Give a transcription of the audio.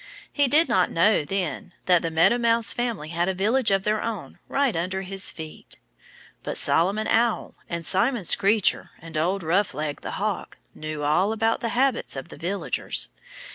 He did not know then that the Meadow Mouse family had a village of their own right under his feet. But Solomon Owl and Simon Screecher and old Rough leg, the hawk, knew all about the habits of the villagers.